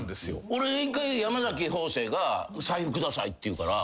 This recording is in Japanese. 俺一回山崎邦正が財布下さいって言うから。